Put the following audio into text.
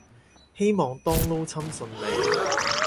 希望當勞侵順利